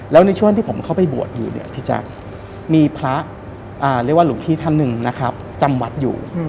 แล้วในช่วงที่ผมเข้าไปบวชอยู่เนี่ยพี่แจ๊คมีพระเรียกว่าหลวงพี่ท่านหนึ่งนะครับจำวัดอยู่